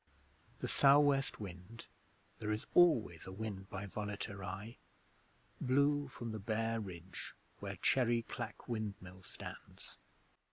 The Sou' West wind (there is always a wind by Volaterrae) blew from the bare ridge where Cherry Clack Windmill stands.